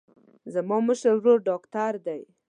زما مشر ورور ډاکتر دی.